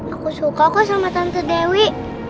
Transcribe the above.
aku suka kok sama tante dewi